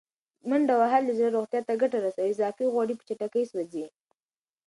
منډه وهل د زړه روغتیا ته ګټه رسوي او اضافي غوړي په چټکۍ سوځوي.